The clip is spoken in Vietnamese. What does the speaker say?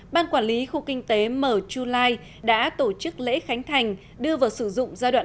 ban quản lý khu kinh tế m chu lai đã tổ chức lễ khánh thành đưa vào sử dụng giai đoạn một